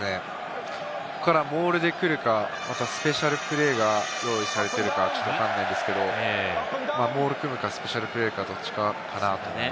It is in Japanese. モールで来るか、スペシャルプレーが用意されてるか、ちょっとわからないですけどモールを組むかスペシャルプレーか、どっちかかなと思います。